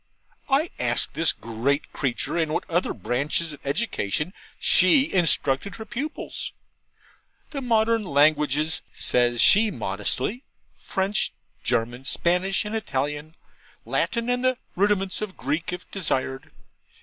I asked this great creature in what other branches of education she instructed her pupils? 'The modern languages,' says she modestly: 'French, German, Spanish, and Italian, Latin and the rudiments of Greek if desired.